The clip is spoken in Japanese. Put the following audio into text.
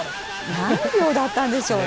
何秒だったんでしょうね？